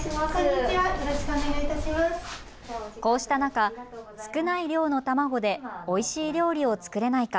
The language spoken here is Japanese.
こうした中、少ない量の卵でおいしい料理を作れないか。